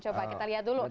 bapak kita lihat dulu